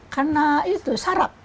karena itu syaraf